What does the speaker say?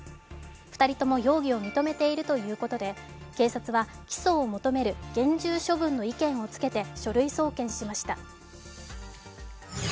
２人とも容疑を認めているということで、警察は起訴を求める厳重処分の意見をつけて書類送検しました。